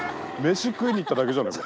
飯食いに行っただけじゃないか。